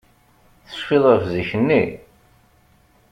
Tecfiḍ ɣef zik-nni?